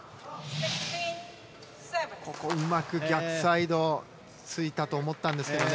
うまく逆サイドを突いたと思ったんですけどね。